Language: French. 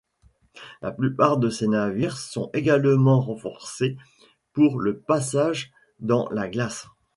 La plupart de ces navires sont également renforcés pour le passage dans la glace.